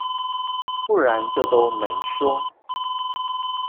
不然就都沒說